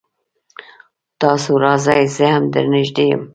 تاسو راځئ زه هم در نږدې يم